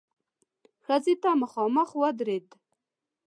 ښځې ته مخامخ ودرېد.